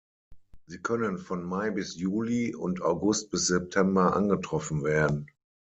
Sie können von Mai bis Juli und August bis September angetroffen werden.